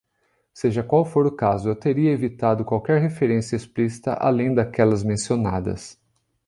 Seja qual for o caso, eu teria evitado qualquer referência explícita além daquelas mencionadas.